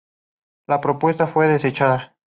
La propuesta fue desechada.